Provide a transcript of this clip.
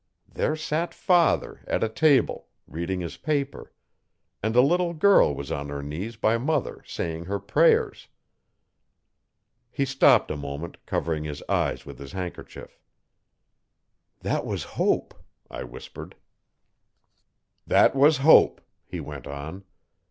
There sat father, at a table, reading his paper; and a little girl was on her knees by mother saying her prayers. He stopped a moment, covering his eyes with his handkerchief. 'That was Hope,' I whispered. 'That was Hope,' he went on.